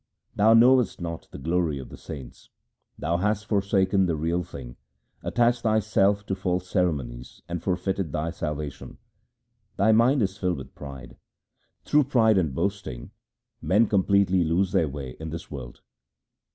Thou knowest not the glory of the saints. Thou hast forsaken the real thing, attached thyself to false ceremonies, and for feited thy salvation. Thy mind is filled with pride. Through pride and boasting men completely lose their way in this world.